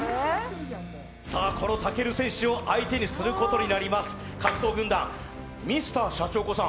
この武尊選手を相手にすることになります格闘軍団、Ｍｒ．シャチホコさん